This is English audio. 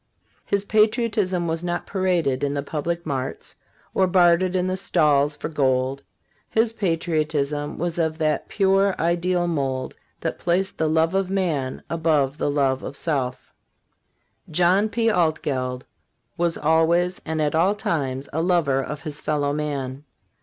His patriotism was not paraded in the public marts, or bartered in the stalls for gold ; his patriotism was of that pure ideal mold that placed the love of man above the love of self. John P. Altgeld was always and at all times a lover of his fellow man.